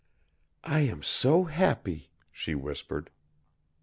"I am so happy," she whispered.